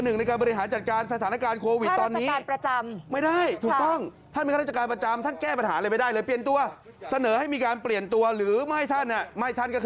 น้องพี่ไม่นับคนโหน